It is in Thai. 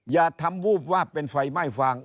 อย่าทำวูบวาบเป็นไฟไหม้ฟาง